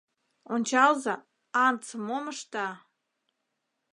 — Ончалза, Антс мом ышта!